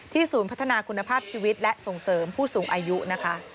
ศูนย์พัฒนาคุณภาพชีวิตและส่งเสริมผู้สูงอายุนะคะ